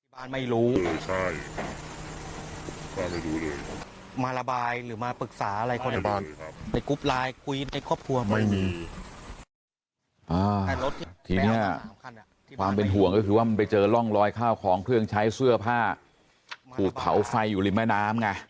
ทีนี้ความเป็นห่วงก็คือว่ามันไปเจอร่องรอยข้าวของเครื่องใช้เสื้อผ้าถูกเผาไฟอยู่ริมแม่น้ำไง